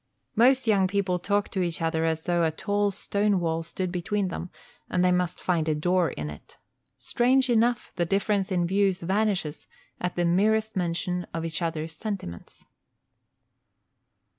Most young people talk to each other as though a tall stone wall stood between them and they must find a door in it. Strange enough, the difference in views vanishes at the merest mention of each other's sentiments.